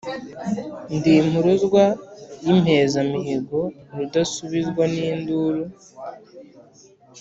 Ndi impuruzwa y'impezamihigo, rudasubizwa n'induru,